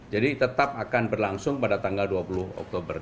jadi tetap akan berlangsung pada tanggal dua puluh oktober